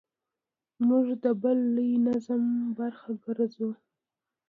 موږ د بل لوی نظم برخه ګرځو.